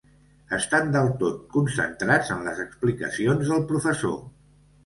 Estan del tot concentrats en les explicacions del professor.